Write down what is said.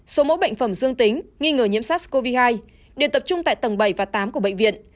số mẫu bệnh phẩm dương tính nghi ngờ nhiễm sát covid một mươi chín đều tập trung tại tầng bảy và tám của bệnh viện